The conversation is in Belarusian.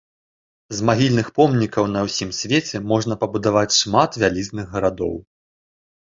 З магільных помнікаў на ўсім свеце можна пабудаваць шмат вялізных гарадоў.